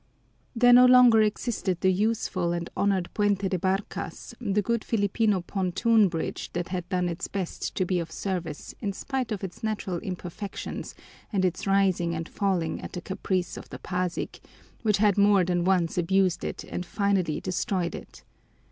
There no longer existed the useful and honored Puente de Barcas, the good Filipino pontoon bridge that had done its best to be of service in spite of its natural imperfections and its rising and falling at the caprice of the Pasig, which had more than once abused it and finally destroyed it.